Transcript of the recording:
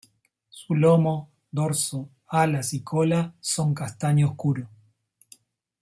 Su lomo, dorso, alas y cola son castaño oscuro.